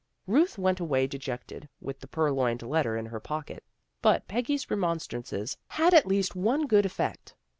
Ruth went away dejected, with the purloined letter in her pocket, but Peggy's remonstrances had at least one good effect.